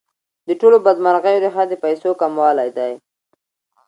د ټولو بدمرغیو ریښه د پیسو کموالی دی.